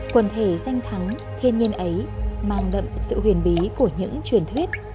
quần thể danh thắng thiên nhiên ấy mang đậm sự huyền bí của những truyền thuyết